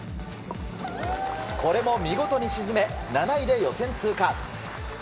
これも見事に沈め７位で予選通過。